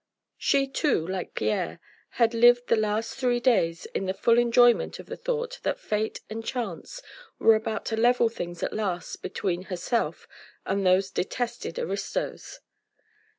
She, too, like Pierre had lived the last three days in the full enjoyment of the thought that Fate and Chance were about to level things at last between herself and those detested aristos.